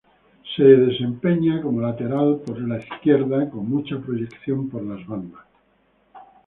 Se desempeña como lateral por izquierda, con mucha proyección por las bandas.